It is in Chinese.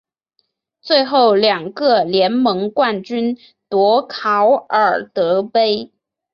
最后两个联盟冠军夺考尔德杯。